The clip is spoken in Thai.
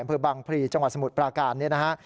อำเภอบังพลีจังหวัดสมุทรปราการเนี่ยนะฮะ